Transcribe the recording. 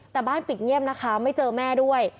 แต่บ้านปิดเงียบนะคะไม่เจอแม่ด้วย